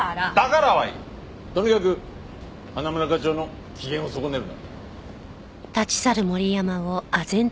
とにかく花村課長の機嫌を損ねるな。